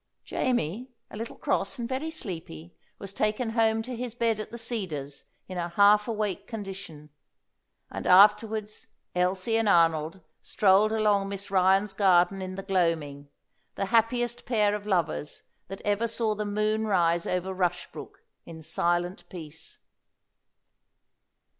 Jamie, a little cross and very sleepy, was taken home to his bed at The Cedars in a half awake condition; and afterwards Elsie and Arnold strolled along Miss Ryan's garden in the gloaming, the happiest pair of lovers that ever saw the moon rise over Rushbrook in silent peace.